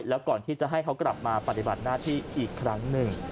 แล้วก่อนที่จะให้เขากลับมาปฏิบัติหน้าที่อีกครั้งหนึ่ง